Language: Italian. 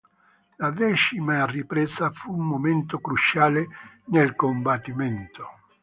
La decima ripresa fu un momento cruciale nel combattimento.